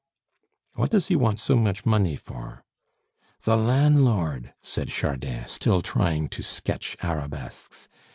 "What does he want so much money for?" "The lan'lord!" said Chardin, still trying to sketch arabesques.